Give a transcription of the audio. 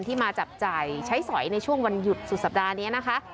มาจับจ่ายใช้สอยในช่วงวันหยุดสุดสัปดาห์นี้นะคะ